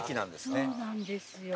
そうなんですよ。